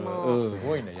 すごいね。